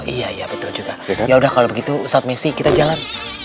iya iya betul juga ya udah kalau begitu saat mesti kita jalan